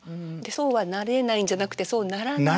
そうはなれないんじゃなくて「そうならない」。